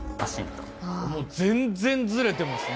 もう全然ずれてますね。